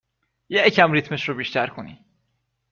یکم ریتمش رو بیشتر کنی